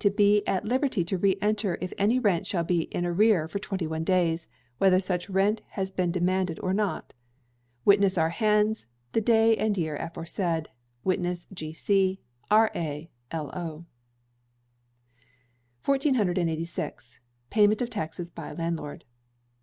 to be at liberty to re enter if any rent shall be in arrear for 21 days, whether such rent has been demanded or not. Witness our hands, the day and year aforesaid. Witness, G.C. R.A. L.O. 1486. Payment of Taxes by Landlord.